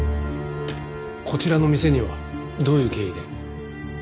こちらの店にはどういう経緯で？